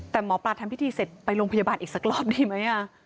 แต่หมอปลาทำพิธีเสร็จไปโรงพยาบาลอีกสักรอบดีไหม